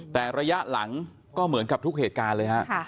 แต่ระยะหลังก็เหมือนกับทุกเหตุการณ์เลยฮะ